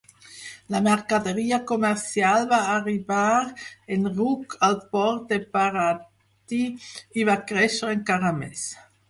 La mercaderia comercial va arribar en ruc al port de Parati i va créixer encara més.